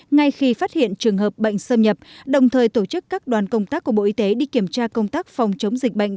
ngay khi phát hiện trường hợp bệnh xâm nhập đồng thời tổ chức các đoàn công tác của bộ y tế đi kiểm tra công tác phòng chống dịch bệnh